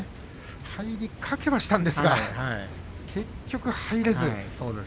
入りかけはしたんですが結局入れずに。